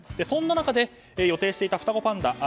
そんな中で、予定していた双子パンダ